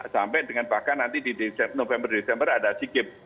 sampai dengan bahkan nanti di november december ada sikip